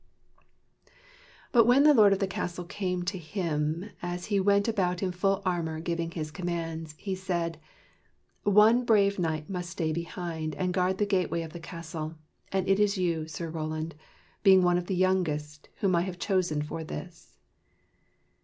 But when the lord of the castle came to him, as he went about in full armor giving his commands, he said: " One brave knight must stay behind and guard the gateway of the castle, and it is you, Sir Roland, being one of the youngest, whom I have chosen for this."